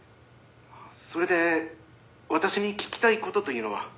「それで私に聞きたい事というのは？」